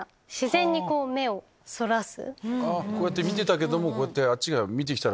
こうやって見てたけどもあっちが見てきたら。